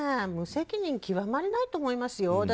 無責任極まりないと思います。